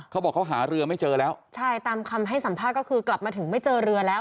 เขาบอกเขาหาเรือไม่เจอแล้วใช่ตามคำให้สัมภาษณ์ก็คือกลับมาถึงไม่เจอเรือแล้ว